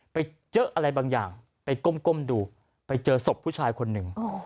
ไปเจออะไรบางอย่างไปก้มดูไปเจอศพผู้ชายคนหนึ่ง